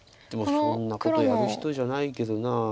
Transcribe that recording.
でもそんなことやる人じゃないけどな。